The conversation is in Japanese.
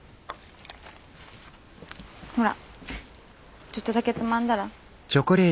ほらちょっとだけつまんだら？